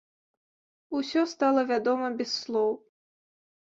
Усё стала вядома без слоў.